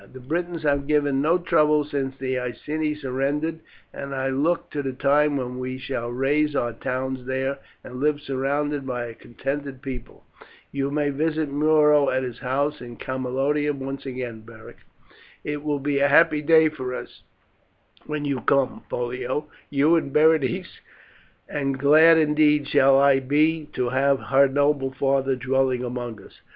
The Britons have given no trouble since the Iceni surrendered, and I look to the time when we shall raise our towns there and live surrounded by a contented people. You may visit Muro at his house in Camalodunum once again, Beric." "It will be a happy day for us when you come, Pollio, you and Berenice; and glad indeed shall I be to have her noble father dwelling among us.